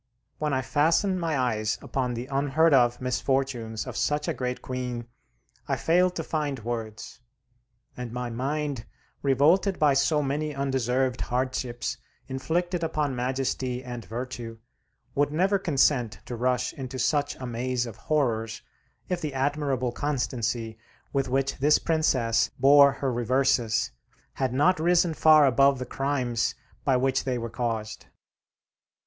When I fasten my eyes upon the unheard of misfortunes of such a great queen, I fail to find words; and my mind, revolted by so many undeserved hardships inflicted upon majesty and virtue, would never consent to rush into such a maze of horrors, if the admirable constancy with which this princess bore her reverses had not risen far above the crimes by which they were caused.